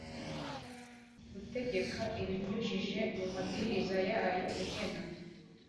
gutegeka ibinyujije mu mabwiriza yayo ugena